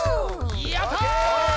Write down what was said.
やった！